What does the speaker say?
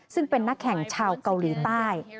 ซึ่งเป็นนักแข่งชาวเกาหลีใต้